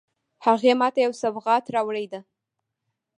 هغې ما ته یو سوغات راوړی ده